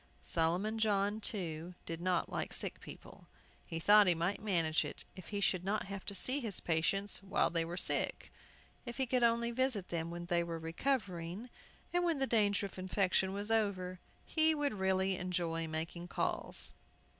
Solomon John, too, did not like sick people. He thought he might manage it if he should not have to see his patients while they were sick. If he could only visit them when they were recovering, and when the danger of infection was over, he would really enjoy making calls.